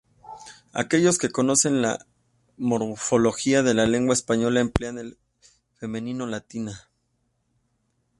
Aquellos que conocen la morfología de la lengua española emplean el femenino "Latina".